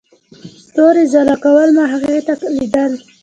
ستورو ځلا کوله، ما هغې ته ليدل.